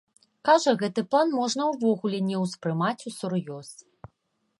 Кажа, гэты план можна ўвогуле не ўспрымаць усур'ёз.